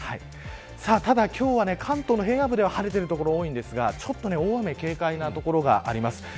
ただ今日は関東の平野部では晴れている所が多いんですが大雨に警戒な所があります。